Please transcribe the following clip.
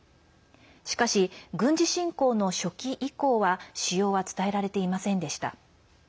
しかし、軍事侵攻の初期以降は使用は伝えられていませんでした。